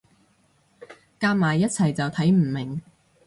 夾埋一齊就睇唔明